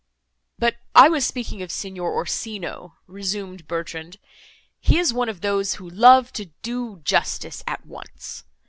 "But I was speaking of Signor Orsino," resumed Bertrand, "he is one of those, who love to do justice at once.